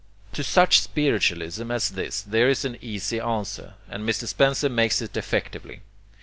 To such spiritualism as this there is an easy answer, and Mr. Spencer makes it effectively.